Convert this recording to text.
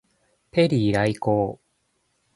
ペリー来航